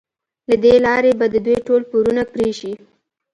له دې لارې به د دوی ټول پورونه پرې شي.